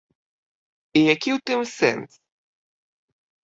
І які ў тым сэнс?